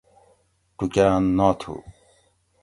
ٹوکاۤن ناتھو